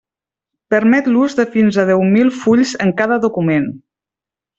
Permet l'ús de fins a deu mil fulls en cada document.